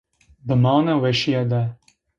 Bimane weşîye de